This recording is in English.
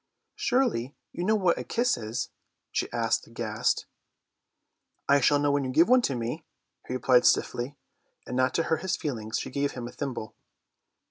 "Surely you know what a kiss is?" she asked, aghast. "I shall know when you give it to me," he replied stiffly, and not to hurt his feeling she gave him a thimble.